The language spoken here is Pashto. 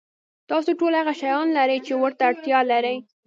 تاسو ټول هغه شیان لرئ چې ورته اړتیا لرئ.